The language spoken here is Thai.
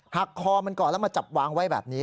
คอมันก่อนแล้วมาจับวางไว้แบบนี้